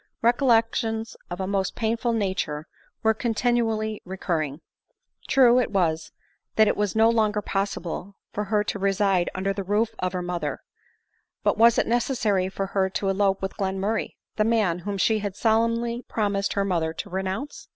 Re collections of a most painful nature were continually re curring. True it was that it was no longer possible for <• ■i wiLjum 70 ADELINE MOWBRAY. her to reside under the roof of her mother ; but was it necessary for her to elope with Glenmurray ? the man whom she had solemnly promised her mother to renounce